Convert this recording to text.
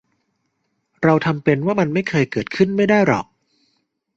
เราทำเป็นว่ามันไม่เคยเกิดขึ้นไม่ได้หรอก